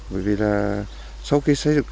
bởi vì là sau khi xây dựng